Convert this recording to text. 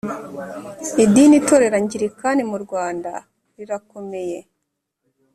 Idini Itorero Anglikani mu Rwanda rirakomeye .